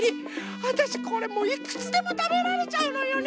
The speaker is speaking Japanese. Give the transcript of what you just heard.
わたしこれもういくつでもたべられちゃうのよね。